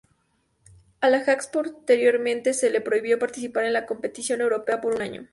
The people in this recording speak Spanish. Al Ajax posteriormente se le prohibió participar en la competición europea por un año.